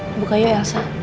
dibuka yuk elsa